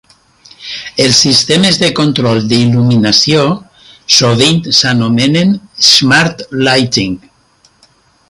Els sistemes de control d'il·luminació sovint s'anomenen "Smart Lighting".